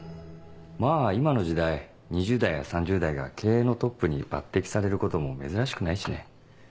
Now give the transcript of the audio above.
まぁ今の時代２０代や３０代が経営のトップに抜擢されることも珍しくないしね。